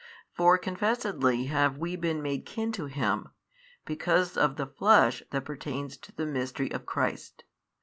For confessedly have we been made kin to Him, because of the Flesh That pertains to the Mystery of Christ.